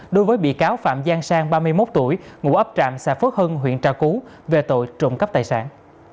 đối với bị cáo phạm giang sang ba mươi một tuổi ngụ ấp trạm xã phước hưng huyện trà cú về tội trộm cắp tài sản